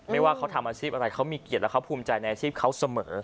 ว่าเขาทำอาชีพอะไรเขามีเกียรติและเขาภูมิใจในอาชีพเขาเสมอ